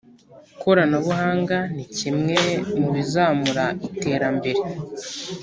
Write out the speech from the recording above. Koranabuhanga nikimwe mubizamura itermbere